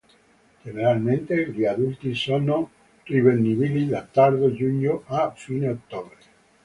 Generalmente gli adulti sono rinvenibili da tardo giugno a fine ottobre.